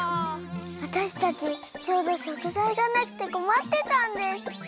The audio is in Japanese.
わたしたちちょうどしょくざいがなくてこまってたんです。